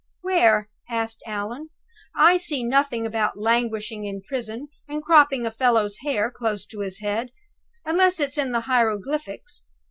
"Where?" asked Allan. "I see nothing about languishing in prison, and cropping a fellow's hair close to his head, unless it's in the hieroglyphics.